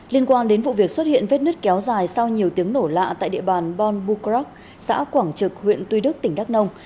liên quan đến vụ việc xuất hiện vết nứt kéo dài sau nhiều tiếng nổ lạ tại địa bàn bon bucrac xã quảng trực huyện tuy đức tỉnh đắk nông